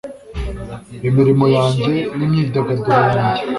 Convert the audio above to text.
imirimo yanjye, n'imyidagaduro yanjye